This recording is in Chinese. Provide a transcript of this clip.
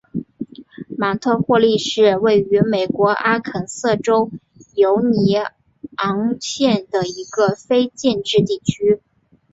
芒特霍利是位于美国阿肯色州犹尼昂县的一个非建制地区。